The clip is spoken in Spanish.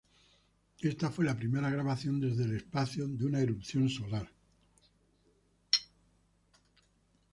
Esta fue la primera grabación desde el espacio de una erupción solar.